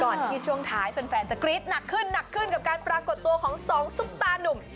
ที่ช่วงท้ายแฟนจะกรี๊ดหนักขึ้นหนักขึ้นกับการปรากฏตัวของสองซุปตานุ่ม